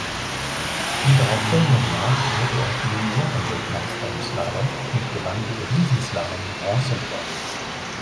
Im darauf folgenden Jahr wurde er Juniorenweltmeister im Slalom und gewann die Riesenslalom-Bronzemedaille.